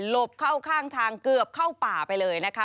บเข้าข้างทางเกือบเข้าป่าไปเลยนะคะ